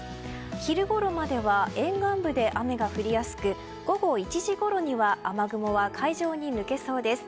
昼ごろまでは沿岸部で雨が降りやすく午後１時ごろには雨雲は海上に抜けそうです。